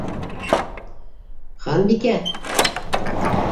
—Ханбикә!